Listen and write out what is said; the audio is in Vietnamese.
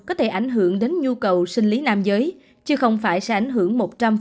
có thể ảnh hưởng đến nhu cầu sinh lý nam giới chứ không phải sẽ ảnh hưởng một trăm linh